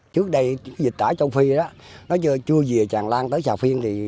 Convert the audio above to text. trước đây dịch tả châu phi nó chưa gì tràn lan tới sà phiên